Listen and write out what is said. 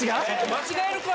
間違えるか？